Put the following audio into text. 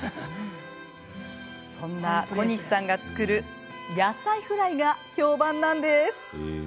そんな小西さんが作る野菜フライが評判なんです。